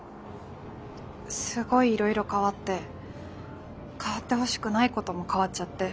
すごいいろいろ変わって変わってほしくないことも変わっちゃって。